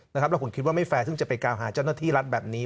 แล้วผมคิดว่าไม่แฟร์ซึ่งจะไปกล่าวหาเจ้าหน้าที่รัฐแบบนี้